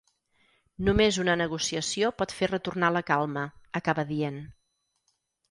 Només una negociació pot fer retornar la calma, acaba dient.